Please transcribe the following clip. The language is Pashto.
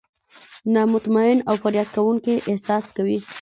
نا مطمئن او فریاد کوونکي احساس کوي.